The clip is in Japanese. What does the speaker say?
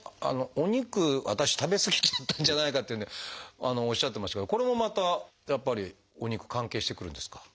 「お肉私食べ過ぎちゃったんじゃないか」というんでおっしゃってましたけどこれもまたやっぱりお肉関係してくるんですか？